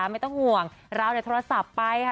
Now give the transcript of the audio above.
ไม่ต้องห่วงเราโทรศัพท์ไปค่ะ